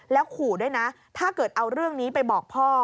แล้วขู่ด้วยนะถ้าเกิดเอาเรื่องนี้ไปบอกพ่อ